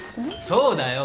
そうだよ。